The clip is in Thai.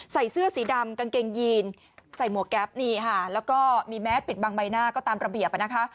ใส่เสื้อสีดำกางเกงยีนใส่หมวกแก๊ปนี่ค่ะแล้วก็มีแมสปิดบังใบหน้าก็ตามระเบียบนะคะ